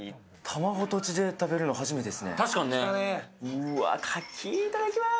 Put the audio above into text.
うわ、かき、いただきます！